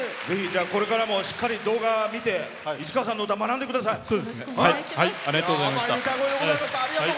これからもしっかり動画見て市川さんの歌、学んでください。